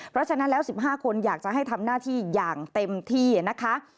เพราะฉะนั้นแล้ว๑๕คนอยากจะให้ทำหน้าที่อย่างเต็มที่นะคะ